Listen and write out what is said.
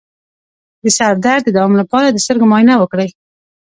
د سر درد د دوام لپاره د سترګو معاینه وکړئ